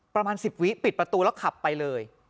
ประมาณ๑๐วิปิดประตูแล้วขับไปเลย